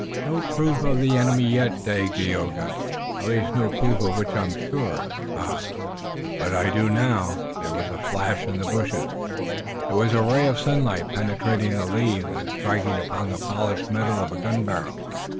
"No proof of the enemy yet, Dagaeoga. At least, no proof of which I am sure. Ah, but I do now! There was a flash in the bushes. It was a ray of sunlight penetrating the leaves and striking upon the polished metal of a gun barrel."